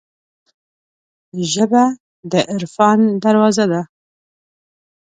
ژبه د عرفان دروازه ده